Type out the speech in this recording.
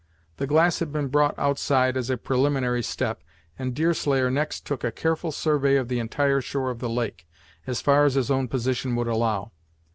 The glass had been brought outside as a preliminary step, and Deerslayer next took a careful survey of the entire shore of the lake, as far as his own position would allow.